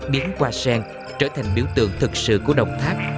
biến qua sen trở thành biểu tượng thực sự của đồng thác